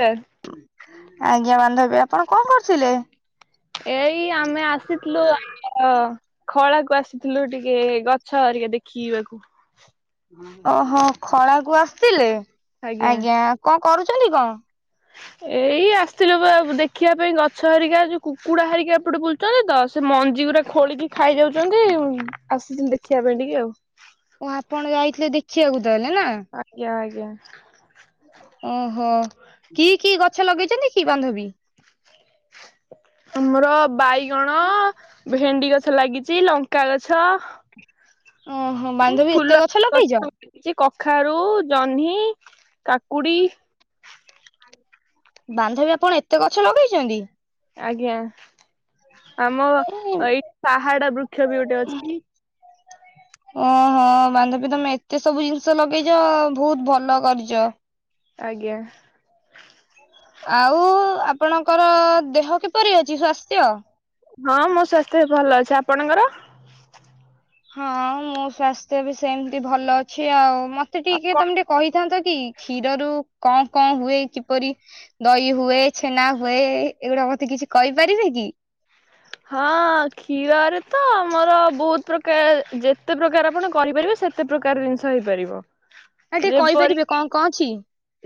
Sir ଆଜ୍ଞା ବାନ୍ଧବି ଆପଣ କଣ କରୁଥିଲେ? ଏଇ ଆମେ ଆସ ଆସିଥିଲୁ ଆ ଖଳାକୁ ଆସିଥିଲୁ ଟିକେ ଗଛ ଆରିକା ଦେଖିବାକୁ। ଓହୋ ଖଳା କୁ ଆସିଥିଲେ ଆଜ୍ଞା କଣ କରୁଛନ୍ତି କଣ? ଏଇ ଆସିଥିଲୁ ବା ଦେଖିବା ପାଇଁ ଗଛ ହାରିକା ଯୋଉ କୁକୁଡା ହାରିକା ଏପଟେ ବୁଲ ଛନ୍ତି ତ ସେ ମଞ୍ଜି ଗୁରା ଖୋଳିକି ଖାଇ ଯାଉଛନ୍ତି ଆସିଛି ଦେଖିବା ପାଇଁ ଟିକେ ଆଉ। ଓ ଆପଣ ଯାଇଥିଲେ ଦେଖିବାକୁ ତାହଲେ ନା? ଆଜ୍ଞା ଆଜ୍ଞା। ଓହୋ କି କି ଗଛ ଲଗେଇଛନ୍ତି କି ବାନ୍ଧବୀ? ଆମର ବାଇଗଣ ଭେଣ୍ଡି ଗଛ ଲାଗିଛି ଲଙ୍କା ଗଛ ଓହୋ ମୁଁ ବାନ୍ଧବୀ ଏତେ ଫୁଲ ଗଛ ଲଗେଇଛ? କିଛି କଖାରୁ, ଜହ୍ନି, କାକୁଡି ବାନ୍ଧବୀ ଆପଣ ଏତେ ଗଛ ଲଗେଇଛନ୍ତି? ଆଜ୍ଞା ଆମ ଏଇଠି ପାହାଡ ବୃକ୍ଷ ବି ଗୋଟେ ଅଛି। ଓହୋ ବାନ୍ଧବୀ ତମେ ଏତେ ସବୁ ଜିନିଷ ଲଗେଇଛ ବହୁତ ଭଲ କରିଛ। ଆଜ୍ଞା। ଆଉ ଆପଣଙ୍କର ଦେହ କିପରି ଅଛି ସ୍ୱାସ୍ଥ୍ୟ? ହଁ ମୋ ସ୍ଵାସ୍ଥ୍ୟ ଭଲ ଅଛି ଆପଣଙ୍କର? ହଁ ମୋ ସ୍ଵାସ୍ଥ୍ୟ ବି ସେମିତି ଭଲ ଅଛି ଆଉ ମତେ ଟିକେ ତମେ ଟିକେ କହିଥାନ୍ତ କି କ୍ଷୀରରୁ କଣ କଣ ହୁଏ କିପରି? ଦହି ହୁଏ ଛେନା ହୁଏ ଏଗୁଡା ମତେ କିଛି କହିପାରିବେ କି? ହଁ କ୍ଷୀରରୁ ତ ଆମର ବହୁତ ପ୍ରକା କାର ଯେତେ ପ୍ରକାର ଆପଣ କରିପାରିବେ ସେତେ ପ୍ରକାର ଜିନିଷ ହେଇପାରିବ। ନା ଟିକେ ଯେପରି କହିପାରିବେ କଣ କଣ ଅଛି?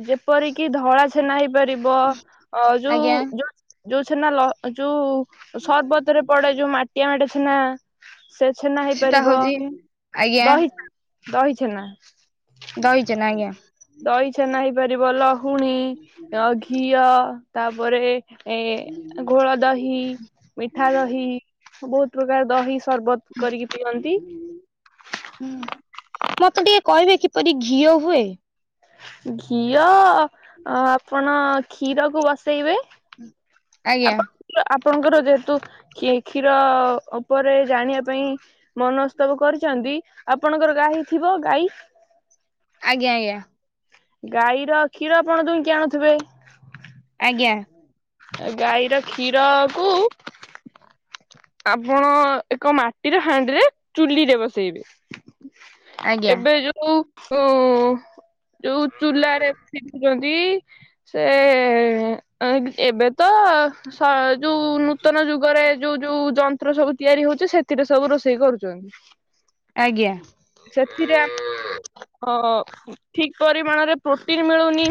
ଯେପରିକି ଧଳା ଛେନା ହେଇପାରିବ ଅ ଯୋଉ ଆଜ୍ଞା ଯୋଉ ଯୋଉ ଛେନା ଲ ଯୋଉ ସର୍ବତରେ ପଡେ ଯୋଉ ମାଟିଆ ଛେନା ସେ ଛେନା ସେଟା ହେଇପାରିବ ହଉଛି ଆଜ୍ଞା ଦହି ଦହି ଛେନା। ଦଇ ଛେନା ଆଜ୍ଞା। ଦହି ଛେନା ହେଇପାରିବ ଲହୁଣୀ ଘିଅ ତାପରେ ଏ-ଏ ଗୋଳ ଦହି ମିଠା ଦହି ବହୁତ ପ୍ରକାର ଦହି ସର୍ବତ କରିକି ପିଅନ୍ତି। ହୁଁହୁ ମତେ ଟିକେ କହିବେ କିପରି ଘିଅ ହୁଏ? ଘିଅ-ଅ-ଅ ଆପଣ କ୍ଷୀରକୁୁ ବସେଇବେ। ଆଜ୍ଞା ଆପଣ ଆପଣଙ୍କର ଯେହେତୁ କ୍ଷୀ କ୍ଷୀର ଉପରେ ଜାଣିବା ପାଇଁ ମନସ୍ତପ କରିଛନ୍ତି ଆପଣଙ୍କର ଗାହୀ ଥିବ ଗାଈ? ଆଜ୍ଞା-ଆଜ୍ଞା। ଗାଈର କ୍ଷୀର ଆପଣ ଦୁହିଁକି ଆଣୁଥିବେ? ଆଜ୍ଞା। ଗାଈର କ୍ଷୀରକୁ ଆପଣ ଏକ ମାଟିର ହାଣ୍ଡିରେ ଚୁଲିରେ ବସେଇବେ। ଆଜ୍ଞା ଏବେ ଯୋଉ-ଉ-ଉ ଉଁ-ଉଁ ଯୋଉ ଚୁଲାରେ ପିନ୍ଧୁଛନ୍ ନ୍ତି ସେ-ଏ-ଏ ଏବେ ତ ସେ ଯୋଉ ନୂତନ ଯୁଗରେ ଯୋଉ-ଯୋଉ ଯନ୍ତ୍ର ସବୁ ତିଆରି ହଉଛି ସେଥିରେ ସବୁ ରୋଷେଇ କରୁଛନ୍ତି। ଆଜ୍ଞା। ସେଥିରେ [inaudible] ଅଁ-ଅଁ ଠିକ୍ ପରିମାଣରେ ପ୍ରୋଟିନ୍ ମିଳୁନି।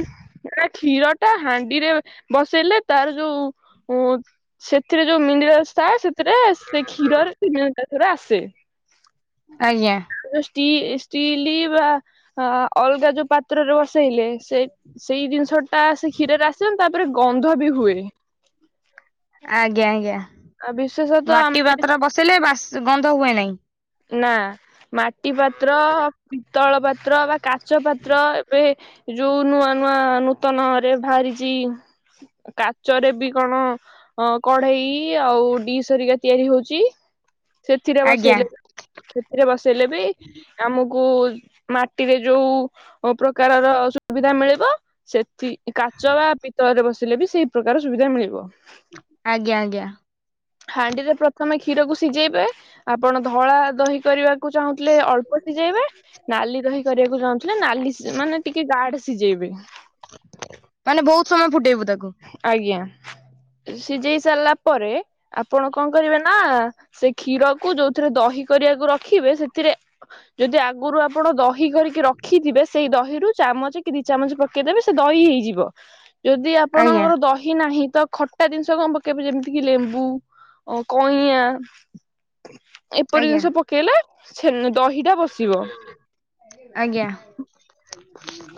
ଗୋଟେ କ୍ଷୀରଟା ହାଣ୍ଡିରେ ବସେଇଲେ ତାର ଯୋଉ ଉଁ-ଉଁ ସେଥିରେ ଯୋଉ ମିନେରାଲ୍ସ ଥାଏ ସେଥିରେ ସେ କ୍ଷୀରରେ ସେ ମିନେରାଲ୍ସ ଗୁରା ଆସେ। ଆଜ୍ଞା। ଯୋଉ ଷ୍ଟି ଷ୍ଟିଲ ବା ଅଲଗା ଯୋଉ ପାତ୍ରରେ ବସେଇଲେ ସେ ସେଇ ଜିନିଷଟା ସେ କ୍ଷୀରରେ ଆସିବନି ତାପରେ ଗନ୍ଧ ବି ହୁଏ। ଆଜ୍ଞା-ଆଜ୍ଞା ଆଉ ବିଶେଷତଃ ଆମ ମାଟି ପାତ୍ର ବସେଇଲେ ବାସ୍ ଗନ୍ଧ ହୁଏ ନାହିଁ? ନା ମାଟି ପାତ୍ର ପିତଳ ପାତ୍ର ବା କାଚ ପାତ୍ର ଏବେ ଯୋଉ ନୂଆ ନୂଆ ନୂତନରେ ବାହାରିଛି କାଚରେ ବି କଣ ଅଁ କଢେଇ ଆଉ ଡିସ୍ ହେରିକା ତିଆରି ହଉଛି ସେଥିରେ ଆଜ୍ଞା ବସେଇଲେ ସେଥିରେ ବସେଇଲେ ବି ଆମକୁ ମାଟିରେ ଯୋଉ ପ୍ରକାରର ସୁବିଧା ମିଳିବ ସେଠି କାଚ ବା ପିତଳରେ ବସିଲେ ବି ସେଇ ପ୍ରକାର ସୁବିଧା ମିଳିବ। ଆଜ୍ଞା-ଆଜ୍ଞା। ହାଣ୍ଡିରେ ପ୍ରଥମେ କ୍ଷୀରକୁ ସିଝେଇବେ। ଆପଣ ଧଳା ଦହି କରିବାକୁ ଚାହୁଁଥିଲେ ଅଳ୍ପ ସିଝେଇବେ। ନାଲି ଦହି କରିବାକୁ ଚାହୁଁଥିଲେ ନାଲି ମାନେ ଟିକେ ଗାଢ ସିଝେଇବେ। ମାନେ ବହୁତ ସମୟ ଫୁଟେଇବୁ ତାକୁ। ଆଜ୍ଞା, ସିଝେଇ ସାରିଲା ପରେ ଆପଣ କଣ କରିବେ ନା ସେ କ୍ଷୀରକୁ ଯୋଉଥିରେ ଦହି କରିବାକୁ ରଖିବେ ସେଥିରେ ଯଦି ଆଗରୁ ଆପଣ ଦହି କରିକି ରଖିଥିବେ ସେଇ ଦହିରୁ ଚାମଚେ କି ଦି ଚାମଚେ ପକେଇଦେବେ ସେ ଦହି ହେଇଯିବ ଯଦି ଆ ଆଜ୍ଞା ଆପଣଙ୍କର ଦହି ନାହିଁ ତ ଖଟ୍ ଖଟା ଜିନିଷ କଣ ପକେଇବେ ଯେମିତିକିି ଲେମ୍ବୁ କଇଁଆ ଏପରି ଆଜ୍ଞା ଜିନିଷ ପକେଇଲେ ଛେନ୍ ଦହିଟା ବସ୍ ଆଜ୍ଞା।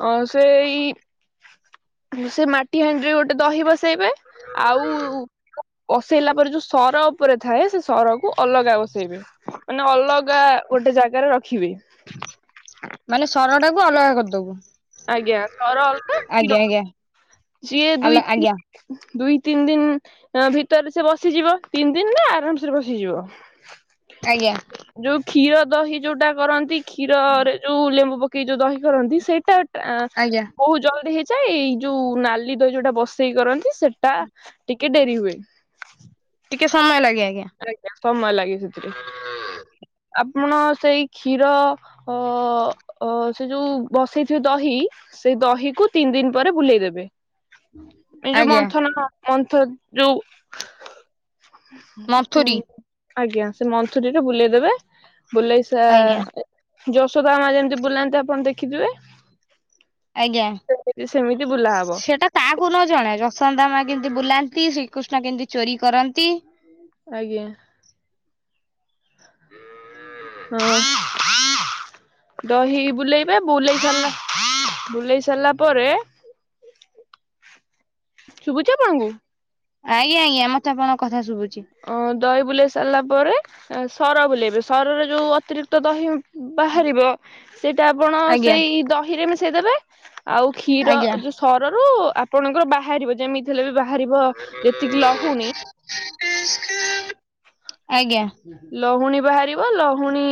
ଅ ସେଇ ସେ ମାଟି ହାଣ୍ଡିରେ ଗୋଟେ ଦହି ବସେଇବେ। ଆଉ ବସେଇଲା ପରେ ଯୋଉ ସର ଉପରେ ଥାଏ ସେ ସରକୁ ଅଲଗା ବସେଇବେ। ମାନେ ଅଲଗା ଗୋଟେ ଜାଗାରେ ରଖିବେ। ମାନେ ସର ଟାକୁ ଅଲଗା କରିଦବୁ। ଆଜ୍ଞା ସର ଅଲଗା ଆଜ୍ଞା କ୍ଷୀର ଆଜ୍ଞା ସିଏ ଆଲ ଦୁଇ ଆଜ୍ଞା ତିନି ଦୁଇ ତିନି ଦିନ୍ ଭିତରେ ସେ ବସିଯିବ ତିନି ଦିନରେ ଆରାମ୍ ସେରେ ବସିଯିବ। ଆଜ୍ଞା। ଯୋଉ କ୍ଷୀର ଦହି ଯୋଉଟା କରନ୍ତି କ୍ଷୀରରେ ଯୋଉ ଲେମ୍ବୁ ପକେଇକି ଯୋଉ ଦହି କରନ୍ତି ସେଇଟା ଆଁ ଆଜ୍ଞା। ବହୁତ ଜଲ୍ଦି ହେଇ ଯାଇ ଏଇ ଯୋଉ ନାଲି ଦହି ଯୋଉଟା ବସେଇ କରନ୍ତି ସେଟା ଟିକେ ଡେରି ହୁଏ। ଟିକେ ସମୟ ଲାଗେ ଆଜ୍ଞା। ଆଜ୍ଞା ସମୟ ଲାଗେ ସେଥିରେ ଆପଣ ସେଇ କ୍ଷୀର ଅ ଅ ସେ ଯୋଉ ବସେଇଥିବେ ଦହି। ସେଇ ଦହିକୁ ତିନି ଦିନ ପରେ ବୁଲେଇଦେବେ। ଏ ଯୋଉ ଆଜ୍ଞା ମନ୍ଥନ ମନ୍ଥ ଯୋଉ ଉଁ ହୁଁ। ମନ୍ଥୁରୀ ଆଜ୍ଞା ସେ ମନ୍ଥୁରୀ ରେ ବୁଲେଇଦବେ ବୁଲେଇସା ଆଜ୍ଞା ଯଶୋଦା ମା ଯେମିତି ବୁଲାନ୍ତି ଆପଣ ଦେଖିଥିବେ। ସେ ସେମିତି ବୁଲା ହବ। ତାକୁ ନ ଜଣା ଯଶୋଦା ମା କେମିତି ବୁଲାନ୍ତି ଶ୍ରୀକୃଷ୍ଣ କେମିତି ଚୋରି କରନ୍ତି। ଆଜ୍ଞା। ହଁ। ଦହି ବୁଲେଇବେ ବୁଲେଇ ସାରିଲା ବୁଲେଇ ସାରିଲା ପରେ ଶୁଭୁଛି ଆପଣଙ୍କୁ? ଆଜ୍ଞା ଆଜ୍ଞା ମତେ ଆପଣଙ୍କ କଥା ଶୁଭୁଛି। ଓ ଦହି ବୁଲେଇ ସାରିଲା ପରେ ସର ବୁଲେଇବେ ସରରେ ଯୋଉ ଅତିରିକ୍ତ ଦହି ବାହାରିବ। ସେଇଟା ଆପଣ ଆଜ୍ଞା ସେଇ ଦହିରେ ମିଶେଇଦେବେ ଆଉ କ୍ଷୀର ଆଜ୍ଞା ଯୋଉ ସରରୁ ଆପଣଙ୍କର ବାହାରିବ ଯେମିତି ହେଲେ ବି ବାହାରିବ ଯେତିକି ଲହୁଣୀ। ହଁ ଆଜ୍ଞା। ଲହୁଣୀ ବାହାରିବ ଲହୁଣୀ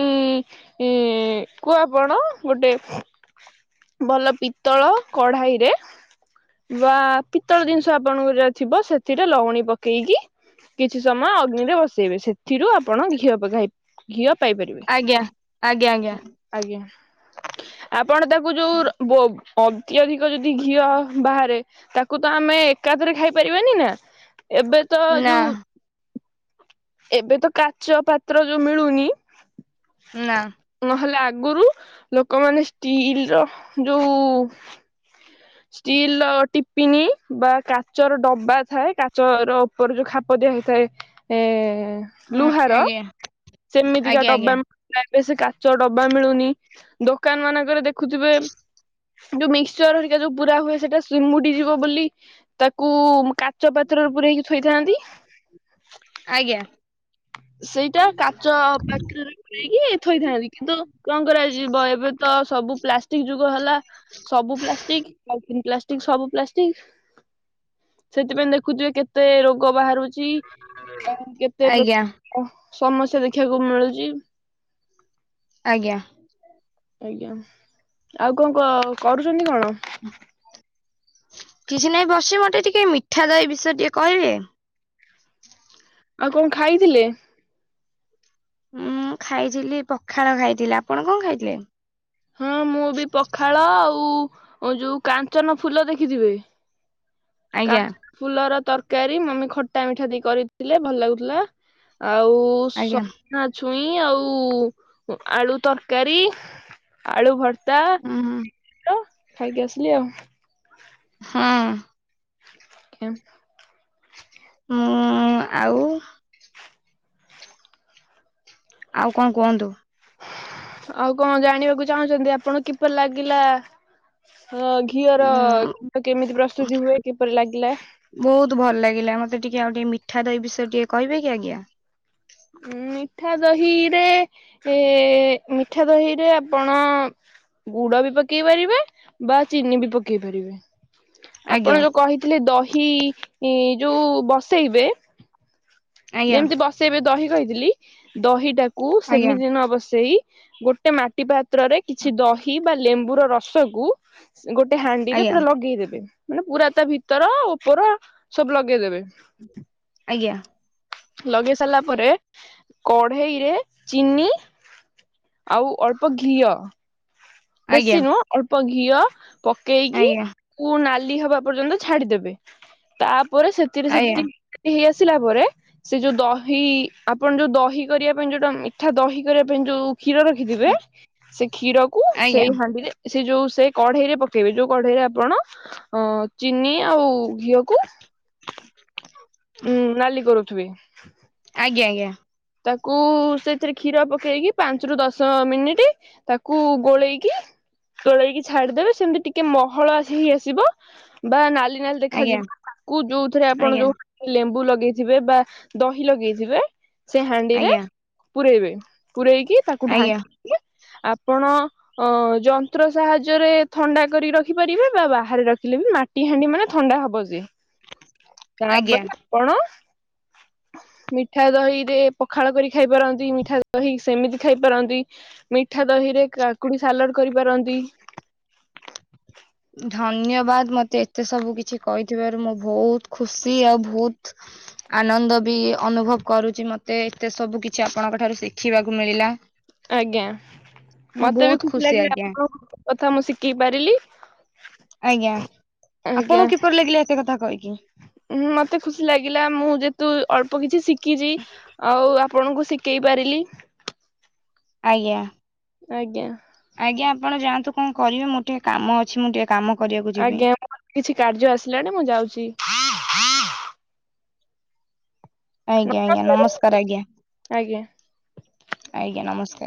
କୁ ଆପଣ ଗୋଟେ ଭଲ ପିତ୍ତଳ କଢାଇ ରେ ବା ପିତଳ ଜିନିଷ ଆପଣଙ୍କର ଯାହା ଥିବ ସେଥିରେ ଲଉଣୀ ପକେଇକି କିଛି ସମୟ ଅଗ୍ନିରେ ବସେଇବେ ସେଥିରୁ ଆପଣ ଘିଅ ପକାଇବେ। ଘିଅ ପାଇପାରିବେ ଆଜ୍ଞା ଆଜ୍ଞା ଆଜ୍ଞା ଆପଣ ଦା ଯୋଉ ବୋ ଅତ୍ୟଧିକ ଯଦି ଘିଅ ବାହାରେ। ତାକୁ ତ ଆମେ ଏକାଥରେ ଖାଇପାରିବାନି ନା ଏବେ ତ ନା ଯୋଉ ଏବେ ତ କାଚ ପାତ୍ର ଯୋଉ ମିଳୁନି। ନାଁ। ନହେଲେ ଆଗରୁ ଲୋକମାନେ ଷ୍ଟିଲ୍ ର ଯୋଉ ଷ୍ଟିଲ ଟିପିନି ବା କାଚର ଡବା ଥାଏ କାଚର ଉପରେ ଯୋଉ ଖାପ ଦିଆ ହେଇଥାଏ। ଏ ଲୁହାର ଆଜ୍ଞା ସେମିତିକା ଆଜ୍ଞା ଆଜ୍ଞା ଡବା ଏବେ ସେ କାଚ ଡବା ମିଳୁନି ଦୋକାନ ମାନଙ୍କରେ ଦେଖୁଥିବେ ଯଉ ମିକ୍ସଚର ହେରିକା ଯଉ ପୁରା ହୁଏ ସେଟା ସିମୁଡି ଯିବ ବୋଲି ତାକୁ କା କାଚ ପାତ୍ରରେ ପୁରେଇକି ଥୋଇଥାନ୍ତି ଆଜ୍ଞା ସେଇଟା କା ଚ ପାତ୍ରରେ ପୁରେଇକି ଥୋଇଥାନ୍ତି କିନ୍ତୁ କଣ କରାଯିବ ଏବେ ତ ସବୁ ପ୍ଲାଷ୍ଟିକ୍ ଯୁଗ ହେଲା ସବୁ ପ୍ଲାଷ୍ଟିକ୍ ପଲିଥିନ୍ ପ୍ଲାଷ୍ଟିକ୍ ସବୁ ପ୍ଲାଷ୍ଟିକ୍ ସେଥିପାଇଁ ଦେଖୁଥିବେ କେତେ ରୋଗ ବାହାରୁଚି ଆ- କେତେ ପ୍ର ଆଜ୍ଞା ଓ ସମସ୍ୟା ଦେଖିବାକୁ ମିଳୁଚି। ଆଜ୍ଞା। ଆଜ୍ଞା ଆଉ କଣ କ-କରୁଚନ୍ତି କଣ? କିଛି ନାଇଁ ବସିଚି ମତେ ଟିକେ ମିଠା ଦହି ବିଷୟରେ ଟିକେ କହିବେ? ଆଉ କଣ ଖାଇଥିଲେ? ମୁଁ ଖାଇଥିଲି ପଖାଳ ଖାଇଥିଲି। ଆପଣ କଣ ଖାଇଥିଲେ? ହଁ ମୁଁ ବି ପଖାଳ ଆଉ ଯଉ କାଞ୍ଚନ ଫୁଲ ଦେଖିଥିବେ କା ଆଜ୍ଞା ଫୁଲର ତରକାରୀ ମମି ଖଟା ମିଠା ଦେଇ କରିଥିଲେ ଭଲ ଲାଗୁଥିଲା ଆଉ ଆଜ୍ଞା ସଜନା ଛୁଇଁ ଆଉ ଆଳୁ ତରକାରୀ ଆଳୁ ଭର୍ତା ଉଁ ହୁଁ ତ ଖାଇକି ଆସିଲି ଆଉ। ହଁ। କେମ୍ ମୁଁ ଆଉ ଆଉ କଣ କୁହନ୍ତୁ? ଆଉ କଣ ଜାଣିବାକୁ ଚାହୁଁଚନ୍ତି ଆପଣଙ୍କୁ କିପରି ଲାଗିଲା ଅ-ଘି ଘିଅର ଉଁ କେମିତି ପ୍ରସ୍ତୁତି ହୁଏ କିପରି ଲାଗିଲା? ବହୁତ୍ ଭଲ ଲାଗିଲା ମତେ ଟିକେ ଆଉ ଟିକେ ମିଠା ଦହି ବିଷୟରେ ଟିକେ କହିବେ କି ଆଜ୍ଞା। ଉଁ- ମିଠା ଦହିରେ ଏ -ମିଠା ଦହିରେ ଆପଣ ଗୁଡ ବି ପକେଇ ପାରିବେ ବା ଚିନି ବି ପକେଇ ପାରିବେ। ଆଜ୍ଞା ଆପଣ ଯଉ କହିଥିଲେ ଦହି ଯଉ ବସେଇବେ ଆଜ୍ଞା ଯେମିତି ବସେଇବେ ଦହି କହିଥିଲି ଦହିଟାକୁ ଆଜ୍ଞା ସେମିତି ନ ବସେଇ ଗୋଟ୍ ଗୋଟେ ମାଟି ପାତ୍ରରେ କିଛି ଦହି ବା ଲେମ୍ବୁର ରସକୁ ଗୋଟେ ହାଣ୍ଡିରେ ଆଜ୍ଞା ପୁରା ଲଗେଇଦେବେ ମାନେ ପୁରା ତା ଭିତର ଉପର ସବୁ ଲଗେଇଦେବେ ଆଜ୍ଞା। ଲଗେଇ ସାରିଲା ପରେ କଢେଇରେ ଚିନି ଆଉ ଅଳ୍ପ ଘିଅ ଆଜ୍ଞା ବେଶୀ ନୁହଁ ଅଳ୍ପ ଘିଅ ପକେଇକି ଆଜ୍ଞା କୁ ନାଲି ହବା ପର୍ଯ୍ୟନ୍ତ ଛାଡିଦେବେ ତାପରେ ସେଥିରେ ଆଜ୍ଞା ସେଠିକି ହେଇ ଆସିଲା ପରେ ସେ ଯଉ ଦହି ଆପଣ ଯଉ ଦହି କରିବା ପାଇଁ ଯଉଟା ମିଠା ଦହି କରିବା ପାଇଁ ଯଉ କ୍ଷୀର ରଖିଥିବେ ସେ କ୍ଷୀରକୁ ଆଜ୍ଞା ସେଇ ହାଣ୍ଡିରେ ସେ ଯଉ ସେ କଢେଇ ରେ ପକେଇବେ ଯଉ କଢେଇରେ ଆପଣ ଅ- ଚିନି ଆଉ ଘିଅକୁ ଉଁ- ନାଲି କରୁଥିବେ ଆଜ୍ଞା- ଆଜ୍ଞା। ତାକୁ ସେଥିରେ କ୍ଷୀର ପକେଇକି ପାଞ୍ଚ୍ ରୁ ଦଶ ମିନିଟି ତାକୁ ଗୋଳେଇକି ତୋଳେଇକି ଛାଡିଦେବେ ସେମିତି ଟିକେ ମହଳ ହେ ଆସିବ ବା ନାଲି ନାଲି ଆଜ୍ଞା ଦେଖାଯିବ ତାକୁ ଯୋଉଥିରେ ଆପଣ ଯୋଉ ଲେମ୍ବୁ ଲଗେଇଥିବେ ବା ଦହି ଲଗେଇଥିବେ। ସେ ହାଣ୍ଡିରେ ଆଜ୍ଞା ପୂରେଇବେ ପୂରେଇକି ତାକୁ ଆଜ୍ଞା ଆଜ୍ଞା ଢାଙ୍କିକି ଆପଣ ଅ ଯନ୍ତ୍ର ସାହାଯ୍ୟରେ ଥଣ୍ଡା କରି ରଖିପାରିବେ ବା ବାହାରେ ରଖିଲେ ବି ମା ଟି ହାଣ୍ଡି ମାନେ ଥଣ୍ଡା ହବ ଯେ ଆଜ୍ଞା ତାପରେ ଆପଣ ମିଠା ଦହି ରେ ପଖାଳ କରି ଖାଇ ପାରନ୍ତି ମିଠା ଦହି ସେମିତି ଖାଇପାରନ୍ତି। ମିଠା ଦହି ରେ କାକୁଡି ସାଲାଡ କରିପାରନ୍ତି। ଧନ୍ୟବାଦ ମତେ ଏତେ ସବୁ କିଛି କହିଥିବାରୁ ମୁଁ ବହୁତ୍ ଖୁସି ଆଉ ବହୁତ୍ ଆନନ୍ଦ ବି ଅନୁଭବ କରୁଛି ମତେ ଏତେ ସବୁ କିଛି ଆପଣଙ୍କ ଠାରୁ ଶିଖିବାକୁ ମିଳିଲା। ଆଜ୍ଞା ମୁଁ ମତେ ବି ବହୁତ ଖୁସି ଲାଗିଲା ଆଜ୍ଞା ଆପଣଙ୍କ କଥା ମୁଁ ଶିଖେଇ ପାରିଲି। ଆଜ୍ଞା ଆପଣଙ୍କୁ କିପରି ଲାଗିଲା ଏତେ କଥା କହିକି। ହଁ ମତେ ଖୁସି ଲାଗିଲା ମୁଁ ଯେହେତୁ ଅଳ୍ପ କିଛି ଶିଖିଛି ଆଉ ଆ ଆପଣଙ୍କୁ ଶିଖାଇ ପାରିଲି। ଆଜ୍ଞା। ଆଜ୍ଞା। ଆଜ୍ଞା ଆପଣ ଯାଆନ୍ତୁ କଣ କରିବେ ମୁଁ ଟିକେ କାମ ଅଛି ମୁଁ ଟିକେ କାମ କରିବାକୁ ଯିବି। ଆଜ୍ଞା କିଛି କାର୍ଯ୍ୟ ଆସିଲାଣି ମୁଁ ଯାଉଛି। ଆଜ୍ଞା ଆଜ୍ଞା ନମସ୍କାର ଆଜ୍ଞା ଆଜ୍ଞା ଆଜ୍ଞା ନମସ୍କାର।